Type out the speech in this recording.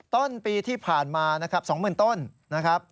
ต้นปีที่ผ่านมานะครับ๒๐๐๐ต้นนะครับ